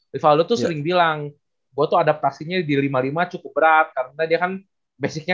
rivaldo tuh sering bilang gue tuh adaptasinya di lima puluh lima cukup berat karena dia kan basicnya